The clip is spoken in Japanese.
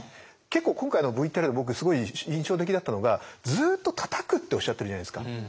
結構今回のＶＴＲで僕すごい印象的だったのがずっとたたくっておっしゃってるじゃないですか。